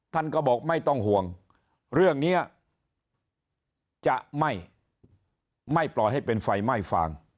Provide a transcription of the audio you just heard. ท่านก็บอกไม่ต้องห่วงเรื่องนี้จะไม่ปล่อยให้เป็นไฟไหม้ฟาง